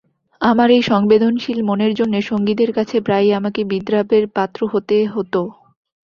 আমার এই সংবেদনশীল মনের জন্যে সঙ্গীদের কাছে প্রায়ই আমাকে বিদ্রাপের পাত্র হতে হত।